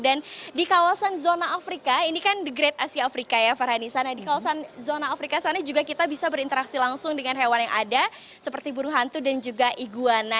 dan di kawasan zona afrika ini kan the great asia afrika ya farhani sana di kawasan zona afrika sana juga kita bisa berinteraksi langsung dengan hewan yang ada seperti burung hantu dan juga iguana